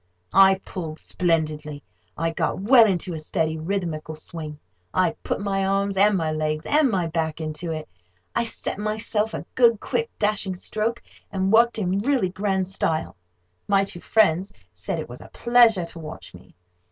I pulled splendidly. I got well into a steady rhythmical swing. I put my arms, and my legs, and my back into it. I set myself a good, quick, dashing stroke, and worked in really grand style. My two friends said it was a pleasure to watch me.